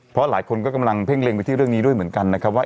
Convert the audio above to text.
เพราะหลายคนก็กำลังเพ่งเล็งไปที่เรื่องนี้ด้วยเหมือนกันนะครับว่า